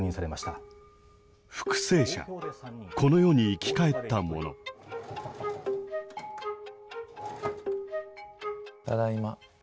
ただいま。